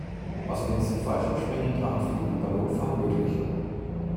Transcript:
Außerdem sind Fallschirmspringen, Drachenfliegen und Ballonfahren möglich.